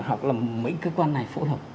hoặc là mấy cơ quan này phụ thuộc